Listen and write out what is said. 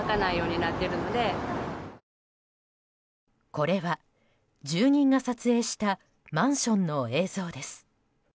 これは住人が撮影したマンションの映像です。